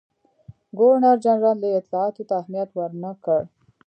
ګورنرجنرال دې اطلاعاتو ته اهمیت ورنه کړ.